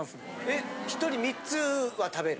え１人３つは食べる？